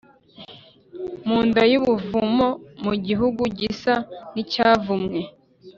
Mu nda y’ubuvumo, Mu gihugu gisa n’icyavumwe.